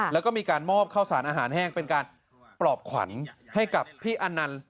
แล้วก็มีการมอบข้าวสารอาหารแห้งเป็นการปลอบขวัญให้กับพี่อันนันต์